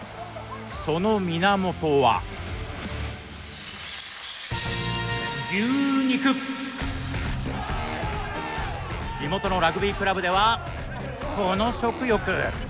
その源は地元のラグビークラブではこの食欲。